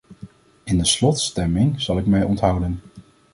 In de slotstemming zal ik mij onthouden.